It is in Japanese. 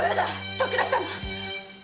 徳田様！